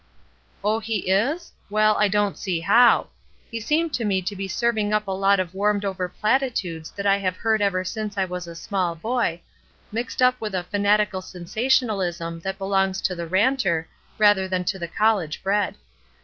'' "Oh, he is? Well, I don't see how. He seemed to me to be serving up a lot of warmed over platitudes that I have heard ever since I was a small boy, mixed up with a fanatical sensationalism that belongs to the ranter, rather than to the college bred.